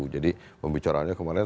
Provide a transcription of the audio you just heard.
jadi pembicaraannya kemarin